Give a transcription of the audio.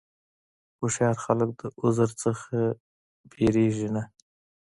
هوښیار خلک د عذر نه وېرېږي نه.